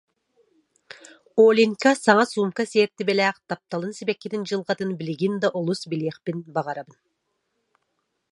Оленька саҥа суумка сиэртибэлээх тапталын сибэккитин дьылҕатын билигин да олус билиэхпин баҕарабын